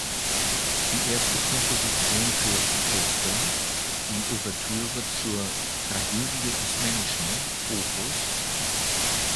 Die erste Komposition für Orchester, die Ouvertüre zur "Tragödie des Menschen," Op.